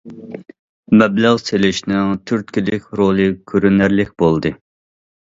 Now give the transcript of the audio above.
مەبلەغ سېلىشنىڭ تۈرتكىلىك رولى كۆرۈنەرلىك بولدى.